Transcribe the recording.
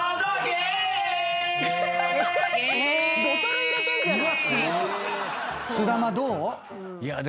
ボトル入れてんじゃない！